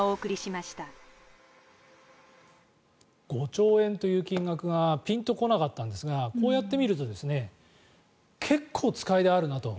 ５兆円という金額がピンと来なかったんですがこうやって見ると結構、使い出があるなと。